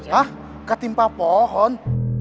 hah ketimpa pohon